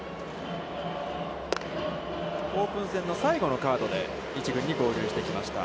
オープン戦の最後のカードで一軍に合流してきました。